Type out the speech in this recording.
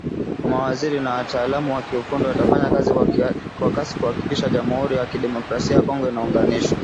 Mawaziri na wataalamu wa kiufundi watafanya kazi kwa kasi kuhakikisha Jamuhuri ya Kidemokrasia ya Kongo inaunganishwa